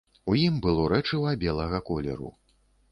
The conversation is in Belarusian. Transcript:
У ім было рэчыва белага колеру.